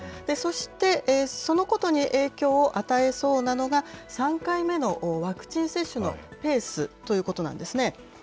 そして、そのことに影響を与えそうなのが、３回目のワクチン接種のペースということなんですね。